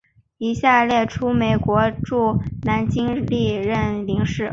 以下列出美国驻南京历任领事。